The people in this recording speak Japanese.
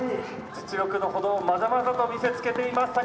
「実力のほどをまざまざと見せつけています